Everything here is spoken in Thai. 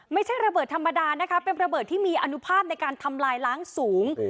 ไม่ใช่ระเบิดธรรมดานะคะเป็นระเบิดที่มีอนุภาพในการทำลายล้างสูง